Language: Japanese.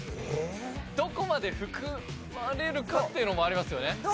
どこまで含まれるかっていうのもありますよね。